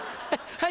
はい！